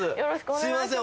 すいません